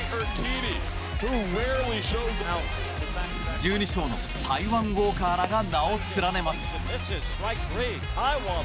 １２勝のタイワン・ウォーカーらが名を連ねます。